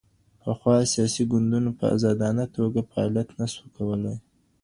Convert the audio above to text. پخوا سياسي ګوندونو په ازادانه توګه فعاليت نه سو کولای.